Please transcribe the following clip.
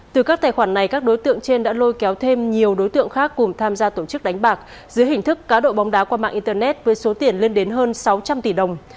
từ các tài khoản này các đối tượng trên đã lôi kéo thêm nhiều đối tượng khác cùng tham gia tổ chức đánh bạc dưới hình thức cá độ bóng đá qua mạng internet với số tiền lên đến hơn sáu trăm linh tỷ đồng